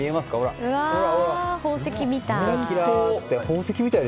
宝石みたい。